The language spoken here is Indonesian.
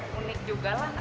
ya unik juga lah